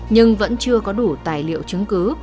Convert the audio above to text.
nhưng vẫn chưa có đủ tài liệu chứng cứ